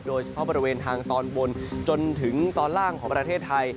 โดยเฉพาะบริเวณทางตอนบนจนถึงตอนล่างของประเทศไทย